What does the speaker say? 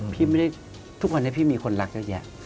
พี่ไม่ได้ทุกวันนี้พี่มีคนรักเยอะแยะ